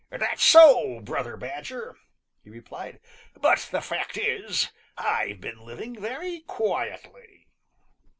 "That's so, Brother Badger," he replied, "but the fact is, I've been living very quietly."